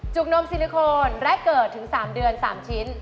นมซิลิโคนแรกเกิดถึง๓เดือน๓ชิ้น